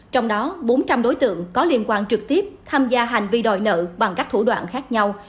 trong đó bốn trăm linh đối tượng có liên quan trực tiếp tham gia hành vi đòi nợ bằng các thủ đoạn khác nhau